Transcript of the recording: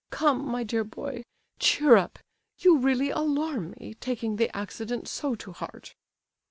"Come, my dear boy! cheer up. You really alarm me, taking the accident so to heart."